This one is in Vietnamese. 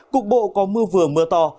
cục bộ có mưa vừa mưa to